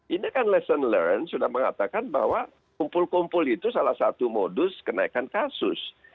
ini kan lesson learned sudah mengatakan bahwa kumpul kumpul itu salah satu modus kenaikan kasus